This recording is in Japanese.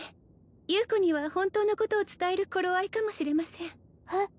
優子には本当のことを伝える頃合いかもしれませんえっ？